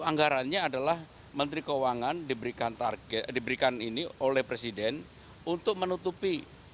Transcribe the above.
anggarannya adalah menteri keuangan diberikan ini oleh presiden untuk menutupi